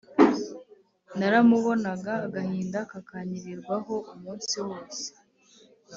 naramubonaga agahinda kakanyirirwaho umunsi wose.